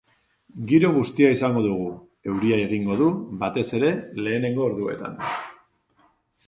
Giro bustia izango dugu, euria egingo du, batez ere lehenengo orduetan.